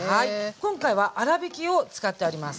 今回は粗びきを使っております。